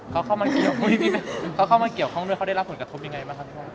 เขาเข้ามาเกี่ยวข้องด้วยเขาได้รับผลกระทบยังไงบ้างคะพี่พ่อ